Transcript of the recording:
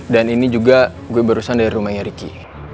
dan ini juga gue barusan dari rumahnya ricky